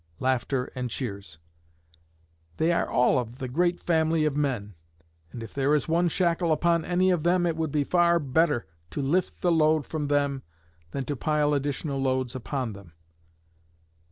[Laughter and cheers.] They are all of the great family of men, and if there is one shackle upon any of them it would be far better to lift the load from them than to pile additional loads upon them.